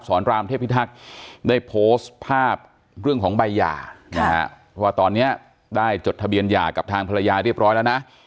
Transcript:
รามเทพิทักษ์ได้โพสต์ภาพเรื่องของใบหย่านะฮะว่าตอนนี้ได้จดทะเบียนหย่ากับทางภรรยาเรียบร้อยแล้วนะ